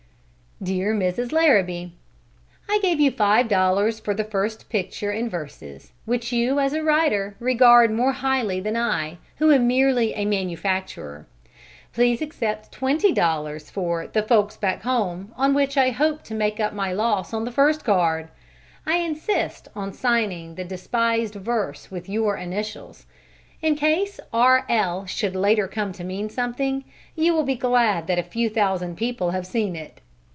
DEAR MRS. LARRABEE: I gave you five dollars for the first picture and verses, which you, as a writer, regard more highly than I, who am merely a manufacturer. Please accept twenty dollars for "The Folks Back Home," on which I hope to make up my loss on the first card! I insist on signing the despised verse with your initials. In case R. L. should later come to mean something, you will be glad that a few thousand people have seen it.